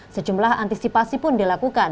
sejumlah antisipasi pun dilakukan